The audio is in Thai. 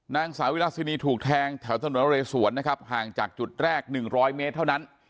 นางสาวิราชินีถูกแทงแถวถนนเรสวนนะครับห่างจากจุดแรก๑๐๐เมตรเท่านั้น